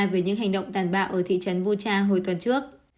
về những hành động tàn bạo ở thị trấn vuja hồi tuần trước